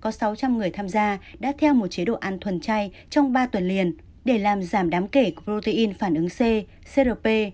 có sáu trăm linh người tham gia đã theo một chế độ ăn thuần chay trong ba tuần liền để làm giảm đáng kể protein phản ứng crp